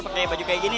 pakai baju kayak gini